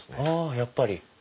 あやっぱり。